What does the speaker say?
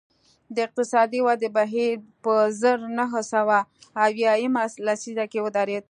د اقتصادي ودې بهیر په زر نه سوه اویا یمه لسیزه کې ودرېد